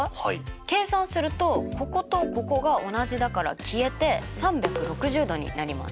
計算するとこことここが同じだから消えて３６０°になります。